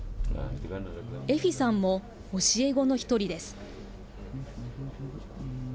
エフィさんも教え子の一人です。